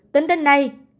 tính đến nay